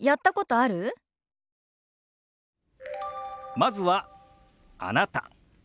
まずは「あなた」。